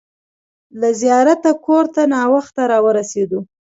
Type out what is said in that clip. له زیارته کور ته ناوخته راورسېدو.